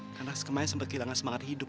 karena kemarin sempat kehilangan semangat hidup